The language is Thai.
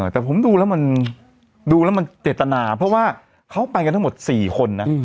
แต่ผมดูแล้วมันดูแล้วมันเจตนาเพราะว่าเขาไปกันทั้งหมด๔คนนะ